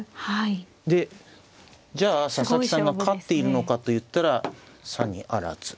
でじゃあ佐々木さんが勝っているのかといったらさにあらず。